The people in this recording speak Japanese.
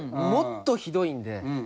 もっとひどいんで。